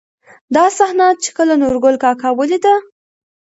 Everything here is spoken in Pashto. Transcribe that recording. دا صحنه، چې کله نورګل کاکا ولېده.